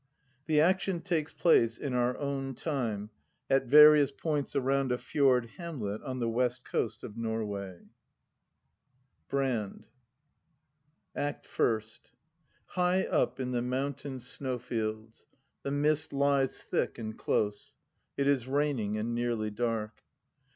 The action takes 'place in our own time, at various points around a fjord Jiamlet on the west coast of Norway. BRAND ACT FIRST High up in the mountain snowfields. TJie mist lies thick and close; it is raining, and nearly dark.